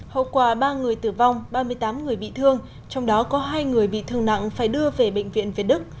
hậu quả ba người tử vong ba mươi tám người bị thương trong đó có hai người bị thương nặng phải đưa về bệnh viện việt đức